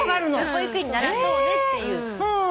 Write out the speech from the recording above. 保育園に慣らそうねっていう。